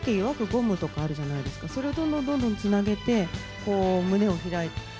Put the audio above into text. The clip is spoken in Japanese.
ゴムとかあるじゃないですか、それをどんどんどんどんつなげて、こう、胸を開いて。